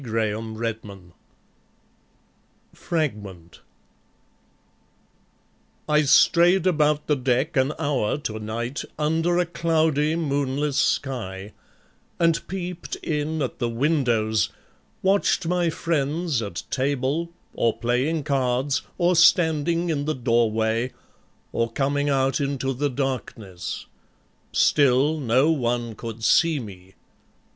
Edward Marsh Fragment I strayed about the deck, an hour, to night Under a cloudy moonless sky; and peeped In at the windows, watched my friends at table, In the windows, watched my friends at table, Or playing cards, or standing in the doorway, Or coming out into the darkness. Still No one could see me.